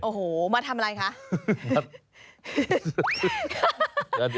โอ้โหมาทำอะไรคะ